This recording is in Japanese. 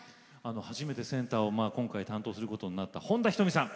初めてセンターを今回担当することになった本田仁美さん。